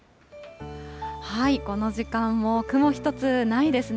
この時間も雲一つないですね。